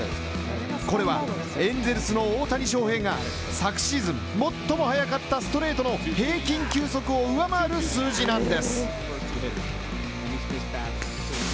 これはエンゼルスの大谷翔平が昨シーズン最も速かったストレートの平均球速を上回る数字なんです。